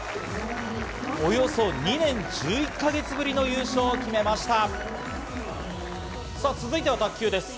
およそ２年１１か月ぶりという優勝を決めました。